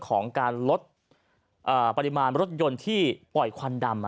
ของการลดปริมาณรถยนต์ที่ปล่อยควันดำ